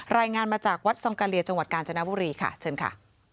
รายงานมาจากวัดซองกาเลียจังหวัดกาญจนบุรีค่ะเชิญค่ะ